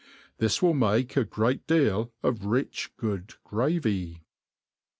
This will make a grea£ deal of rich good gravy.